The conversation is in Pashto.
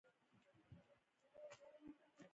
الماري د ځوانو لپاره بېله جوړیږي